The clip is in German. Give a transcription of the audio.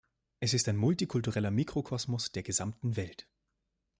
Es ist ein multikultureller Mikrokosmos der gesamten Welt.